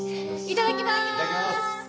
いただきます。